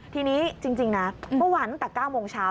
ทีนี้จริงนะเมื่อวานตั้งแต่๙โมงเช้า